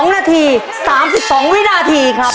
๒นาที๓๒วินาทีครับ